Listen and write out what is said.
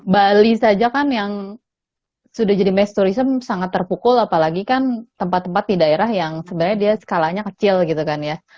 bali saja kan yang sudah jadi mass tourism sangat terpukul apalagi kan tempat tempat di daerah yang sebenarnya dia skalanya kecil gitu kan ya